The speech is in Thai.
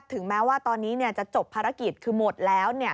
ถึงแม้ว่าตอนนี้จะจบภารกิจคือหมดแล้ว